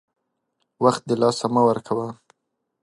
وخت دلاسه مه ورکوه !